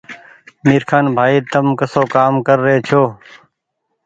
ميرخآن ڀآئي تم ڪسو ڪآم ڪر رهي ڇو